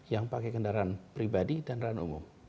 yang pakai kendaraan pribadi dan ran umum